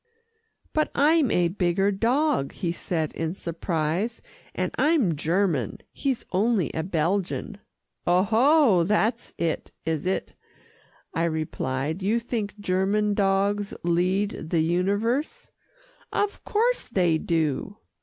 "But I'm a bigger dog," he said in surprise, "and I'm German. He's only a Belgian." "Oho! that's it, is it?" I replied. "You think German dogs lead the universe." "Of course they do."